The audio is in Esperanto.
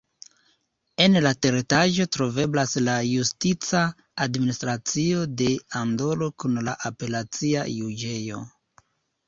En la teretaĝo troveblas la justica administracio de Andoro kun la apelacia juĝejo.